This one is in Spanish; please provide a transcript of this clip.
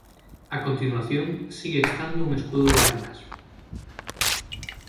A continuación, sigue estando un escudo de armas.